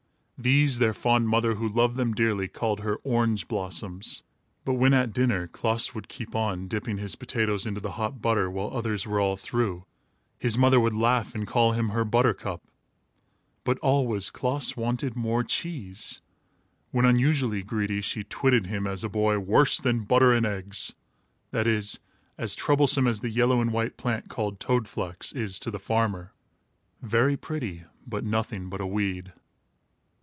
These, their fond mother, who loved them dearly, called her "orange blossoms"; but when at dinner, Klaas would keep on, dipping his potatoes into the hot butter, while others were all through, his mother would laugh and call him her Buttercup. But always Klaas wanted more cheese. When unusually greedy, she twitted him as a boy "worse than Butter and Eggs"; that is, as troublesome as the yellow and white plant, called toad flax, is to the farmer very pretty, but nothing but a weed.